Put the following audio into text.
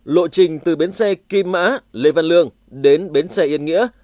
lộ trình từ bến xe kim mã lê văn lương đến bến xe yên nghĩa